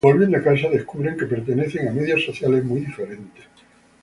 Volviendo a casa, descubren que pertenecen a medios sociales muy diferentes.